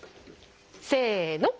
せの。